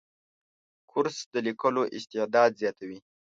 کورس د لیکلو استعداد زیاتوي.